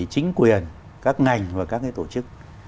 chính quyền các ngành và các tổ chức